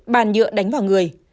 bàn nhựa đánh vào người